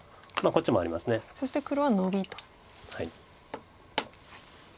そして黒はノビと。